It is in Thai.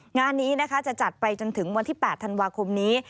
งานนี้นะคะจะจัดไปจนถึงวันที่๘ธันวาคมนี้